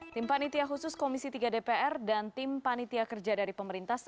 tim panitia khusus komisi tiga dpr dan tim panitia kerja dari pemerintah